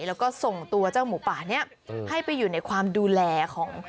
แล้วก็ส่งตัวเจ้าหมูป่านี้ให้ไปอยู่ในความดูแลของ